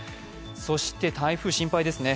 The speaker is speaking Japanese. そして台風、心配ですね。